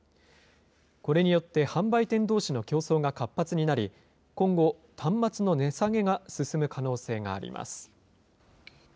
これによって販売店どうしの競争が活発になり、今後、端末の値下げが進む可能性があります。